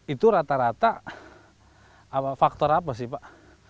itu rata rata faktor apa sih pak